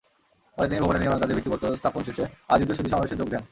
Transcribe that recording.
পরে তিনি ভবনের নির্মাণকাজের ভিত্তিপ্রস্তর স্থাপন শেষে আয়োজিত সুধীসমাবেশে যোগ দেন।